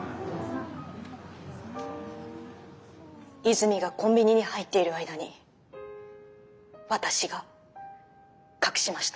泉がコンビニに入っている間に私が隠しました。